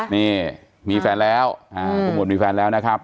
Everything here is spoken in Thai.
นี่มีแฟนแล้วคุณหมดมีแฟนแล้วนะครับ